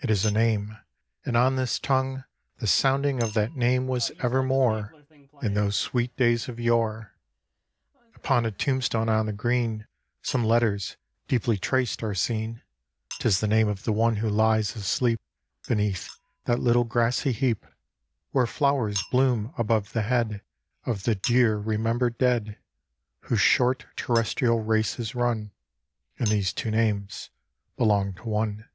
It is a name, and on this tongue The sounding of that name was evermore In those sweet days of yore ! Upon a tombstone on the green Some letters, deeply traced, are seen ; 'Tis the name of the one who lies asleep Beneath that little grassy heap, Where flowers bloom above the head Of the dear remember'd dead, Whose short terrestrial race is run, And these two names belong to one.